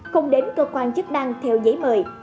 không đến cơ quan chức năng theo giấy mời